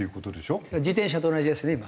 自転車と同じですね今。